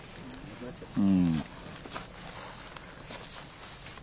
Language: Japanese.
うん。